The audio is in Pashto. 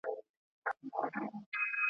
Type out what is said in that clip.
سفرونه به روان وي او زموږ پلونه به هیریږي